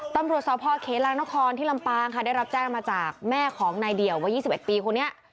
ตำรวจสพเขลางนครที่ลำปางค่ะได้รับแจ้งมาจากแม่ของนายเดี่ยววัย๒๑ปีคนนี้